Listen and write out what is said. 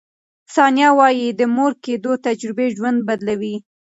ثانیه وايي، د مور کیدو تجربې ژوند بدلوي.